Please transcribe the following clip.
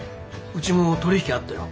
うちも取り引きあったよ。